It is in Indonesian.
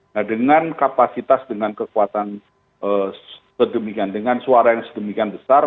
nah dengan kapasitas dengan kekuatan sedemikian dengan suara yang sedemikian besar